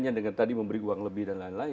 yang tadi memberi uang lebih